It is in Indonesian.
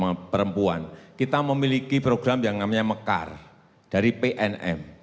perempuan kita memiliki program yang namanya mekar dari pnm